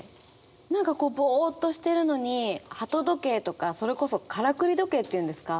何かこうぼっとしてるのに鳩時計とかそれこそカラクリ時計っていうんですか？